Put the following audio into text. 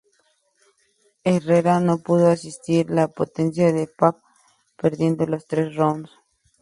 Herrera no pudo resistir la potencia de Papp perdiendo los tres rounds.